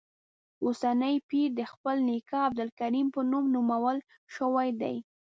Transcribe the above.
اوسنی پیر د خپل نیکه عبدالکریم په نوم نومول شوی دی.